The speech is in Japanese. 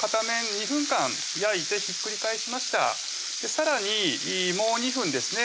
さらにもう２分ですね